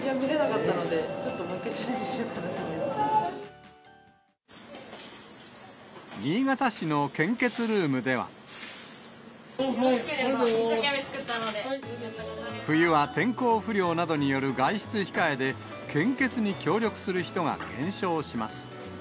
よろしければ一生懸命作った冬は天候不良などによる外出控えで、献血に協力する人が減少します。